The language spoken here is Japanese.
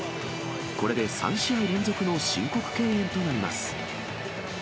これで３試合連続の申告敬遠となります。